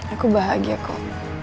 aku bahagia kok